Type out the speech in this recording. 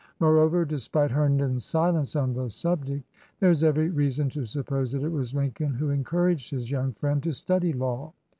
More over, despite Herndon's silence on the subject, there is every reason to suppose that it was Lin coln who encouraged his young friend to study law.